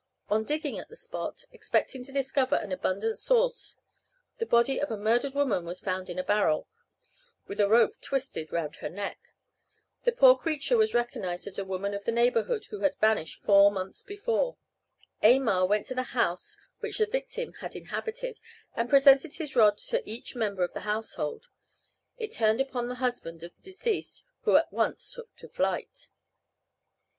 On digging at the spot, expecting to discover an abundant source, the body of a murdered woman was found in a barrel, with a rope twisted round her neck. The poor creature was recognized as a woman of the neighborhood who had vanished four months before. Aymar went to the house which the victim had inhabited, and presented his rod to each member of the household. It turned upon the husband of the deceased, who at once took to flight.